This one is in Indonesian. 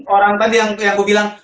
orang tadi yang aku bilang